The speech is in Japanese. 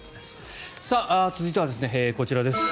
続いてはこちらです。